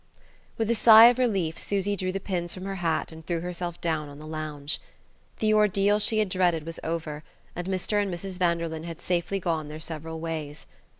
WITH a sigh of relief Susy drew the pins from her hat and threw herself down on the lounge. The ordeal she had dreaded was over, and Mr. and Mrs. Vanderlyn had safely gone their several ways.